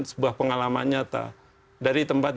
sebuah pengalaman nyata dari tempat